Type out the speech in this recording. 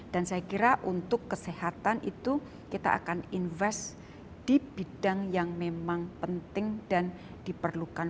dan saya kira untuk kesehatan itu kita akan invest di bidang yang memang penting dan diperlukan